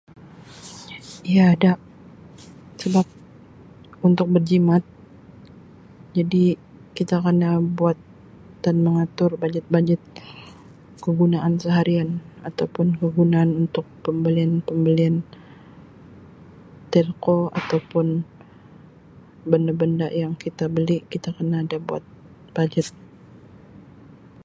Iya ada sebab untuk berjimat jadi kita kena buat dan mengatur bajet-bajet kegunaan seharian atau pun penggunaan untuk pembelian pembelian Telco atau pun benda benda yang kita beli kita kena ada buat bajet.